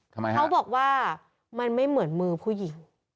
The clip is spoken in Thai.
เขาบอกว่ามันไม่เหมือนมือผู้หญิง